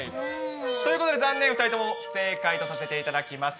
ということで、残念、２人とも不正解とさせていただきます。